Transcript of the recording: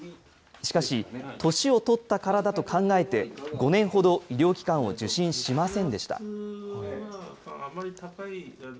しかし、年を取ったからだと考えて、５年ほど医療機関を受診しませんでした。